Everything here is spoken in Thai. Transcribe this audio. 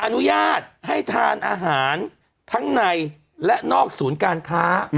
อนุญาตให้ทานอาหารทั้งในและนอกศูนย์การค้า